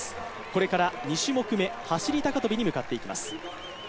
これから２種目め、走高跳に向かっていきます。